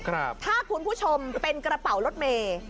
ถ้าคุณผู้ชมเป็นกระเป๋ารถเมย์